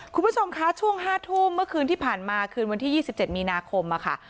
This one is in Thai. คุณผู้ชมคะช่วงห้าทุ่มเมื่อคืนที่ผ่านมาคืนวันที่ยี่สิบเจ็ดมีนาคมอะค่ะ